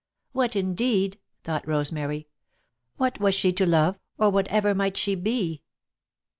"What, indeed?" thought Rosemary. What was she to Love, or what ever might she be?